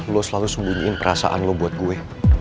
lo selalu sembunyiin perasaan lo buat gue